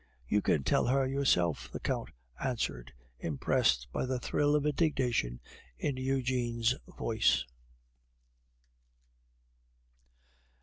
"You can tell her yourself," the Count answered, impressed by the thrill of indignation in Eugene's voice.